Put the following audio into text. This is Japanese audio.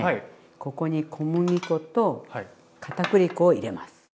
ここに小麦粉とかたくり粉を入れます。